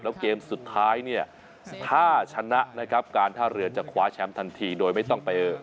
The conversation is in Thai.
แล้วเกมสุดท้ายเนี่ยถ้าชนะนะครับการท่าเรือจะคว้าแชมป์ทันทีโดยไม่ต้องไป